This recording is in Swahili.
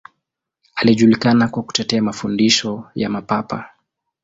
Alijulikana kwa kutetea mafundisho ya Mapapa.